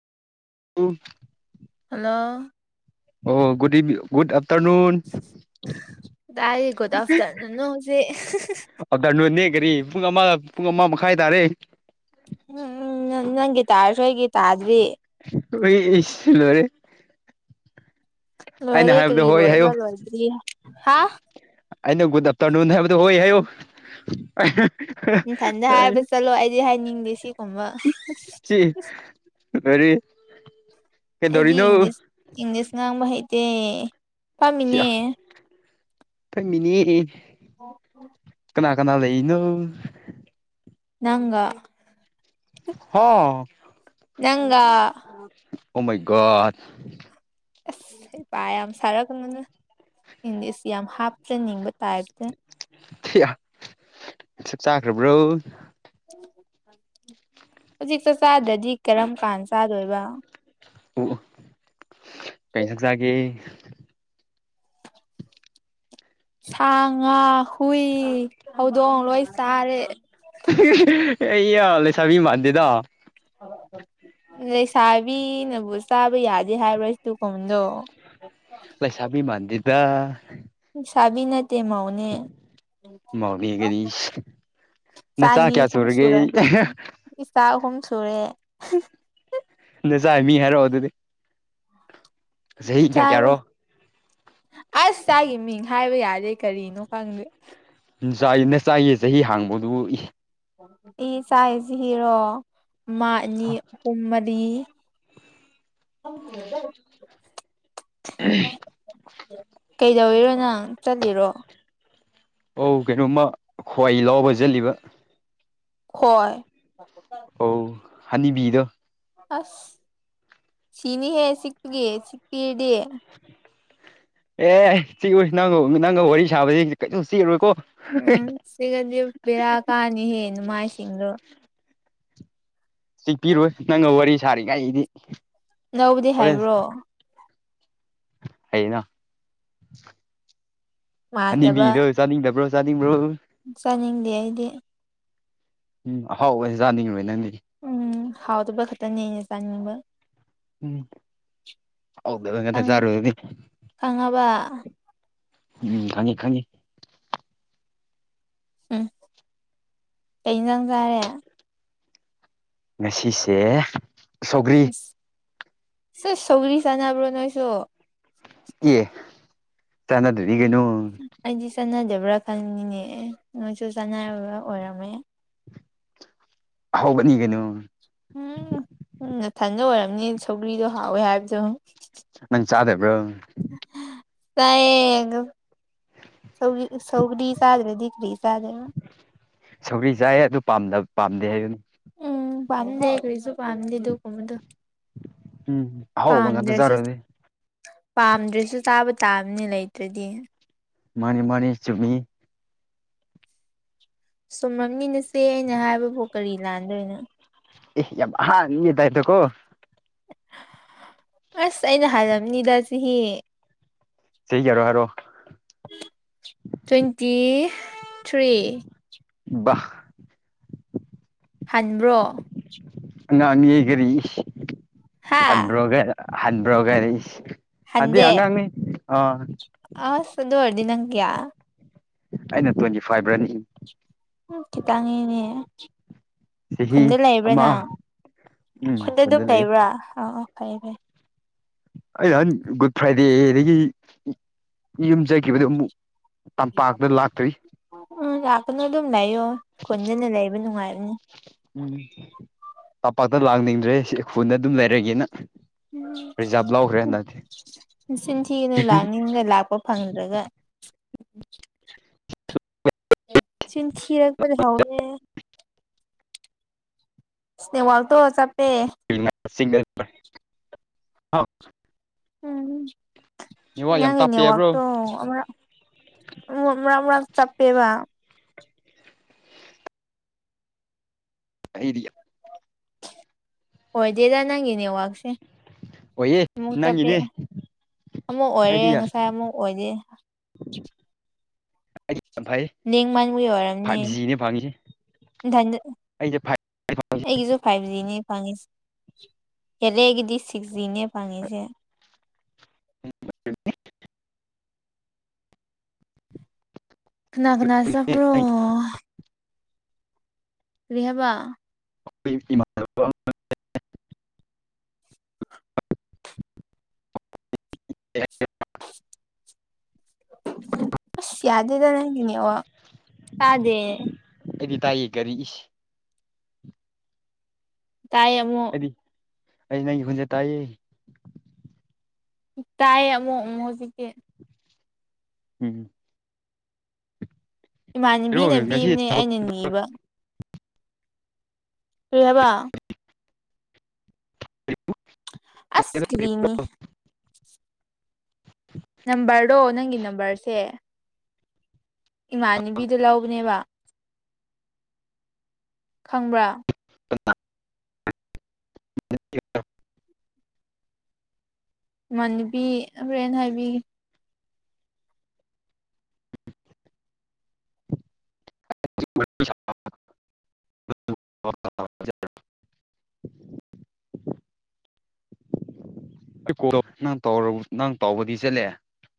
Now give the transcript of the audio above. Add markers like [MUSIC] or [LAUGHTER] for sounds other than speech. ꯑꯣ ꯍꯜꯂꯣ ꯑꯣ ꯨꯗꯚ ꯨꯗ ꯑꯐꯇꯔꯅꯟ ꯇꯥꯏ ꯀꯧꯕꯗ ꯑꯐꯇꯥꯔꯅꯅ ꯍꯧꯧꯁꯦ ꯑꯥꯐꯇꯔꯅꯨꯟꯅꯦ ꯀꯔꯤ ꯄꯨꯡ ꯑꯃ ꯄꯨꯡ ꯑꯃ ꯃꯈꯥꯏ ꯇꯥꯔꯦ ꯎꯝ ꯅꯪꯒꯤ ꯇꯥꯔꯁꯨ ꯑꯩ ꯒꯤ ꯇꯥꯗ꯭ꯔꯤ ꯑꯣꯏ ꯏꯁ ꯔꯦ ꯂꯣꯏꯔꯦ ꯀ ꯔꯔꯤ ꯂꯣꯏꯔ ꯍꯥ ꯑꯩꯩꯅ ꯨꯗ ꯑꯐꯇꯔꯅꯨꯟ ꯍꯣꯏ ꯍꯥꯏꯌꯣ ꯏꯊꯟꯗ ꯍꯥꯏꯔꯒ ꯆꯠꯂꯣ ꯑꯩꯗꯤ ꯍꯥꯏꯅꯤꯡꯗꯦ ꯁꯤꯒꯨꯝꯕ ꯐꯔꯤ ꯑꯩꯗꯤ ꯏꯪꯂꯤꯁ ꯏꯪꯂꯤꯁ ꯉꯥꯡꯕ ꯍꯩꯇꯦ ꯄꯥꯝꯃꯤꯅꯦ ꯊꯝꯃꯤꯅꯦ ꯀꯅꯥ ꯀꯅꯥ ꯂꯩꯅꯣ ꯅꯪꯒꯥ ꯍ ꯅꯪ ꯀꯃꯩꯒꯁ ꯄꯌꯥꯝꯝ ꯁꯔꯅ ꯏꯗꯤꯁꯤ ꯌꯥꯝ ꯍꯥꯞꯇ꯭ꯔꯦ ꯅꯤꯡꯕ ꯇꯥꯏꯕꯗꯤꯦ ꯁꯛ ꯆꯥꯈ꯭ꯔꯕ꯭ꯔꯣ ꯍꯧꯖꯤ ꯆꯥꯛꯆꯥꯥꯗ꯭ꯔꯗꯤ ꯀꯔꯝ ꯀꯥꯟ ꯆꯥꯗꯣꯏꯕ ꯎ ꯀꯩꯅ ꯁꯖꯒ ꯁꯥ ꯉꯥ ꯍꯨꯏ ꯍꯧꯗꯣꯡ ꯂꯣꯏ ꯆꯥꯔꯦ ꯏ ꯂꯩꯦꯁꯕꯤ ꯃꯗꯦꯗ ꯍ ꯍ ꯂꯩꯁꯥꯕꯤꯅꯕꯨ ꯆꯥꯕ ꯌꯥꯗꯦ ꯍꯥꯏꯕ꯭ꯔꯥ ꯁꯤꯇꯨ ꯀꯟꯗꯣ ꯂꯩ ꯁꯃꯤꯤꯃꯟꯗꯤꯗ ꯁꯕꯤꯅ ꯇꯦ ꯃꯥꯅꯦ ꯏ ꯃꯧꯅꯦ ꯀꯔꯤ ꯅꯆꯥ ꯆꯥꯅꯤ ꯀꯌꯥ ꯍꯨꯝ ꯁꯨꯔ ꯁꯨꯔꯒꯦ ꯏꯆꯥ ꯑꯍꯨꯝ ꯁꯨꯔꯦ ꯑ ꯆꯥꯏ ꯃꯤ ꯍꯥꯏꯔꯛꯑꯣ ꯑꯗꯨꯗꯤ ꯆꯍꯤ ꯀꯌꯥ ꯆꯥꯒꯤ ꯀꯌꯥꯔꯣ ꯑꯁ ꯇꯥꯒꯤ ꯃꯤꯡ ꯍꯥꯏꯕ ꯌꯥꯗꯦ ꯀꯔꯤꯅꯣ ꯈꯪꯗꯦ ꯆꯥꯏꯅ ꯆꯥꯏꯌꯦ ꯆꯍꯤ ꯍꯥꯡꯕꯗꯨ ꯏ ꯑꯩ ꯆꯁꯤ ꯍꯔꯣ ꯑꯃ ꯑꯅꯤ ꯑꯍꯨꯝ ꯃꯔꯤ ꯇꯨꯋꯗ ꯎ ꯀꯩꯗꯧꯔꯤꯔꯣ ꯅꯪ ꯆꯠꯂꯤꯔꯣ ꯑꯧ ꯀꯩꯅꯣꯝꯃ ꯈ꯭ꯋꯥꯏ ꯂꯥꯎꯕ ꯆꯠꯂꯤꯕ ꯍꯣꯏ ꯑꯧ ꯍꯅꯤꯕꯤꯗꯣ ꯑꯁ ꯁꯤꯅꯤ ꯍꯦ ꯁꯤꯛꯒ ꯁꯤꯛꯄꯤ ꯏ ꯗꯦ ꯑꯦ ꯆꯦꯂꯣꯏ ꯅꯪꯒ ꯃꯤ ꯅꯪꯒ ꯋꯥꯔꯤ ꯁꯥꯕꯕꯁꯤ ꯀꯩꯅ ꯆꯦꯜꯂꯣꯏꯀꯣ ꯎꯝ ꯁꯤꯒꯗꯤ ꯕꯦꯔꯥ ꯀꯥꯅꯤꯍꯦ ꯃꯥꯏꯁꯤꯡꯗꯣ ꯆꯄꯤꯔꯣꯏ ꯅꯪꯒ ꯋꯥꯔꯤ ꯁꯥꯔꯤꯉꯥꯏꯗꯤ ꯂꯧꯕꯗꯤ ꯍꯥꯏꯕ꯭ꯔꯣ ꯍꯌꯦꯩꯅ ꯃꯥꯟꯗꯕ ꯍꯅꯤꯕꯤꯗꯣ ꯆꯥꯅꯤꯡꯗꯕ꯭ꯔꯣ ꯆꯥꯅꯤꯡꯕ꯭ꯔꯣ ꯆꯥꯅꯤꯡꯗꯦ ꯑꯩꯗꯤ ꯎꯝ ꯍꯥꯎ ꯑꯩꯁ ꯌꯥꯥꯅꯤꯡꯉꯤꯕ ꯅꯪ ꯎꯝ ꯍꯥꯎꯗꯕ ꯈꯛꯇꯅꯦ ꯑꯩꯅ ꯆꯥꯅꯤꯡꯕ ꯎꯝ ꯍꯧꯒ ꯀꯗ ꯈꯪ ꯆꯔ ꯎꯝ ꯈꯪꯉꯕ ꯈꯪꯉꯤ ꯈꯪꯉꯤ ꯎꯝ ꯀꯩ ꯉꯥꯡ ꯀꯥꯔꯦ ꯉꯁꯤꯁꯦ ꯁꯧꯒ꯭ꯔꯤ ꯁꯤ ꯁꯧꯔꯤꯁ ꯆꯕ꯭ꯔꯣ ꯅꯣꯏ ꯆꯣ ꯌꯦꯦ ꯆꯅ ꯑꯗꯨ ꯑꯩꯗꯤ ꯆꯥꯟꯅꯗꯕ꯭ꯔꯥ ꯈꯟꯅꯤꯅꯦ ꯅꯣꯏꯁꯨ ꯆꯥꯟꯅꯕ ꯑꯣꯏꯔꯝꯃꯦ ꯍꯕꯅꯤꯒꯦꯅ ꯁꯒꯔꯤꯗꯣ ꯍꯥꯎꯋꯏ ꯍꯥꯏꯕꯗ ꯅꯪ ꯆꯥꯗꯦꯕ꯭ꯔꯣ ꯇꯒ ꯁꯧ ꯁꯧꯒꯔꯤ ꯁꯥꯥꯖꯔꯦ ꯗꯀꯔꯤ ꯁꯥꯥꯗꯦ ꯁꯧꯔꯤ ꯆꯥꯏ ꯑꯗꯨ ꯄꯥꯝꯗꯦ ꯍꯥꯏꯕꯅꯤ ꯎꯝ ꯄꯝꯗꯈꯁꯨ ꯄꯝꯗꯗꯨ ꯀꯃꯗ ꯎꯝ ꯍꯥꯎ ꯃꯗ ꯆꯔꯗꯤ ꯄꯥꯝꯗ꯭ꯔꯁꯨ ꯆꯥꯕ ꯇꯥꯕꯅꯤ ꯂꯩꯇ꯭ꯔꯗꯤ ꯃꯥꯅꯤ ꯃꯥꯅꯤ ꯆꯨꯝꯃꯤ ꯁꯨꯝꯔꯝꯅꯤꯅꯁꯦ ꯑꯩꯅ ꯍꯥꯏꯕꯕꯨꯣ ꯀꯔꯤ ꯂꯥꯟꯗꯣꯏꯅꯣ ꯍꯥꯗꯥꯏ ꯇ ꯀꯣ ꯑꯁ ꯑꯩꯅ ꯍꯥꯏꯂꯝꯅꯤꯗ ꯆꯍꯤ ꯆꯍꯤ ꯌꯥꯔꯣ ꯍꯥꯏꯔꯣ ꯇ꯭ꯋꯦꯟꯇꯤ ꯊ꯭ꯔꯤ ꯍ ꯍꯟꯕ꯭ꯔꯣ ꯉꯃꯤ ꯀꯔꯤꯁ ꯍꯥ ꯍꯠꯕ꯭ꯔꯣꯒ ꯍꯠꯕ꯭ꯔꯣꯒꯔꯤꯁꯤ ꯍꯗꯦ ꯑ ꯆ ꯑꯗꯨ ꯑꯣꯏꯔꯗ ꯅꯪ ꯀ꯭ꯌꯥ ꯑꯩꯅ ꯇ꯭ꯋꯦꯟꯇꯤ ꯐꯥꯏꯚ ꯔꯅꯤꯡ ꯆꯈꯤꯇꯉꯅꯦ ꯆꯍꯤ ꯈꯨꯟꯗ ꯑꯃ ꯂꯩꯕ꯭ꯔꯅ ꯎꯝ ꯈꯨꯟꯗ ꯑꯗꯨꯝ ꯂꯩ ꯂꯩꯕ꯭ꯔꯥ ꯑ ꯀꯩꯕ ꯑꯩ ꯅꯍꯥꯟ ꯒꯨꯗ ꯐ꯭ꯔꯥꯏꯗꯦꯗꯒꯤ ꯌꯨꯝ ꯆꯠꯈꯤꯕꯗꯨ ꯑꯃꯨꯛ ꯇꯝꯄꯥꯛꯇ ꯂꯥꯛꯇ꯭ꯔꯤ ꯎꯝ ꯂꯥꯛꯄꯅ ꯑꯗꯨꯝ ꯂꯩꯌꯣ ꯀꯣꯟꯖꯅ ꯂꯩꯕ ꯅꯨꯡꯉꯥꯏꯕꯅꯤ ꯎꯝ ꯇꯝꯄꯥꯛꯇ ꯂꯥꯡꯅꯤꯡꯗ꯭ꯔꯦ ꯁꯤ ꯈꯨꯨꯗ ꯑꯗꯨꯝ ꯂꯩꯔꯒꯦꯅ ꯔꯤꯖꯥꯕ ꯂꯧꯈ꯭ꯔꯦ ꯍꯟꯗꯛꯇꯤ ꯎꯁꯤꯤꯅꯂ ꯅꯤꯡ ꯂ ꯄꯄ ꯐꯪꯗ꯭ꯔꯒ ꯆꯤꯟ ꯊꯤꯔꯒ ꯄꯖꯥꯅꯦ ꯏꯁꯋꯥꯜꯣ ꯆ ꯁꯤꯒꯔ ꯎꯝ ꯌꯥꯝ ꯅꯪꯒꯤ ꯇꯞꯄꯦ ꯍꯥꯏꯕ꯭ꯔꯣ ꯅꯦꯠꯋꯥꯛꯛꯇꯣ ꯑꯃ ꯃꯔ ꯃꯔꯥ ꯆꯞꯄꯦꯕ ꯔꯤꯌꯥ ꯍꯣꯏꯗꯦꯗ ꯅꯪꯅꯦ ꯋꯥꯥꯛꯁꯦ ꯑꯣꯏꯌꯦ ꯅꯪꯒꯤꯅꯦ ꯑꯃꯨꯛ ꯑꯣꯏꯔꯦ ꯑꯩꯗꯤ ꯉꯁꯥꯏ ꯑꯃꯨꯛ ꯑꯣꯏꯗꯦ ꯑꯩꯗꯤ ꯌꯥꯝ ꯐꯩ ꯅꯦꯡ ꯃꯥꯡꯕꯨ ꯌꯧꯔꯝꯅꯦ ꯐꯥꯏꯚ ꯖꯤꯅꯦ ꯐꯪꯉꯤꯁꯦ ꯑꯩꯁꯦ ꯐꯥꯏꯚ ꯑꯩꯒꯤꯁꯨ ꯐꯥꯏꯚ ꯖꯤꯅꯦ ꯄꯥꯡꯉꯤꯁꯦ ꯌꯥꯗꯦ ꯑꯩꯒꯤꯗꯤ ꯁꯤꯛꯁ ꯖꯤꯅꯦ ꯐꯥꯡꯉꯤꯁꯦ ꯀꯅꯥ ꯀꯅꯥ ꯆꯕ꯭ꯔꯣ ꯔꯤꯍꯥꯏꯕꯥ [UNINTELLIGIBLE] [UNINTELLIGIBLE] ꯑꯁ ꯌꯥꯗꯦꯗꯅꯒꯤ ꯅꯦꯇ ꯋꯥꯛ ꯇꯥꯗꯦ ꯑꯩꯗꯤ ꯇꯥꯏꯌꯦ ꯀꯔꯤꯏꯁ ꯇꯌꯦ ꯑꯃꯨꯛ ꯑꯩꯅ ꯑꯩꯒꯤ ꯈꯨꯟꯖꯦ ꯇꯏ ꯇꯥꯏ ꯑꯃꯣ ꯃꯖꯀ ꯇꯤ ꯎꯝ ꯀꯩꯅꯣ ꯏꯃꯅꯥꯕꯨꯅꯟꯅꯕꯤꯅ ꯉꯁꯤ ꯄꯤꯕꯅꯦ ꯊꯕꯛ ꯑꯩꯅ ꯅꯤꯕ ꯔꯤꯍꯥꯏꯕꯥ ꯑꯁꯀ꯭ꯔꯤꯅꯤ ꯅꯝꯕꯔꯗꯣ ꯅꯪꯒꯤ ꯅꯝꯕꯔꯁꯦ ꯏꯃꯥꯟꯅꯕꯤꯗ ꯂꯧꯕꯅꯦꯕ ꯈꯪꯕ꯭ꯔꯥ [UNINTELLIGIBLE] [UNINTELLIGIBLE] ꯏꯃꯥꯅꯥꯕꯤ ꯍꯣꯔꯦꯅ ꯍꯥꯏꯕꯤꯒꯦ [INAUDIBLE] [UNINTELLIGIBLE] [UNINTELLIGIBLE] ꯅꯪ ꯇꯥꯎꯕꯗꯤ ꯆꯠꯂꯦ